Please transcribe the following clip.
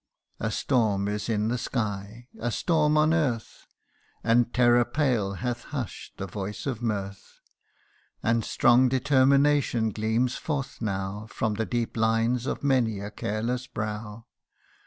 A storm is in the sky ; a storm on earth ; And terror pale hath hush'd the voice of mirth. And strong determination gleams forth now From the deep lines of many a careless brow.